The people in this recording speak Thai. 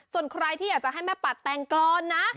ส่วนใครที่อยากจะให้แม่ปัดแต่งกรอนนะ